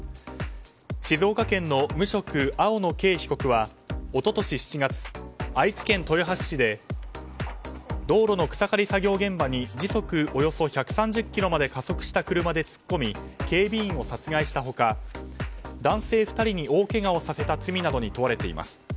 静岡県の無職、青野圭被告は一昨年７月、愛知県豊橋市で道路の草刈り作業現場に時速およそ１３０キロまで加速した車で突っ込み警備員を殺害した他男性２人に大けがをさせた罪などに問われています。